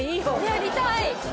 やりたい！